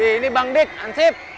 ini bangdek ansib